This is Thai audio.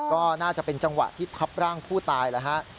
ก็น่าจะเป็นจังหวะที่ทับร่างผู้ตายแล้วฮะ